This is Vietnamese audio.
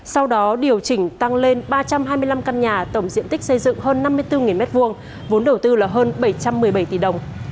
sau đó điều chỉnh tăng lên ba trăm hai mươi năm căn nhà tổng diện tích xây dựng hơn năm mươi bốn m hai vốn đầu tư là hơn bảy trăm một mươi bảy tỷ đồng